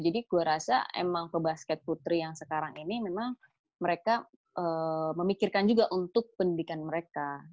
jadi gue rasa emang ke basket putri yang sekarang ini memang mereka memikirkan juga untuk pendidikan mereka